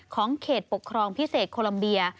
เขตปกครองพิเศษโคลัมเบีย